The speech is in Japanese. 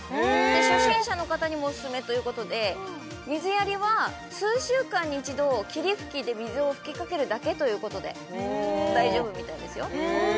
初心者の方にもオススメということで水やりは数週間に一度霧吹きで水を吹きかけるだけということで大丈夫みたいですよへえ